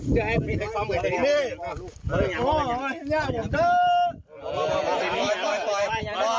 ยากคล้ายกไทยกคล้า